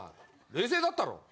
冷静だったろ。